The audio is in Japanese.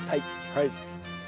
はい。